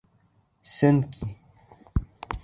Сөнки!..